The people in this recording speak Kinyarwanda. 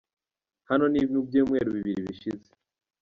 Hano ni mu byumweru bibiri bishize.